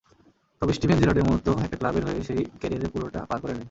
তবে স্টিভেন জেরার্ডের মতো একটা ক্লাবের হয়ে সেই ক্যারিয়ারের পুরোটা পার করেননি।